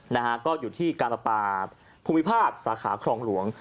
นะฮะก็อยู่ที่การปาภูมิภาคสาขาครองหลวง